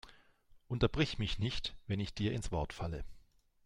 Unterbrich mich nicht, wenn ich dir ins Wort falle!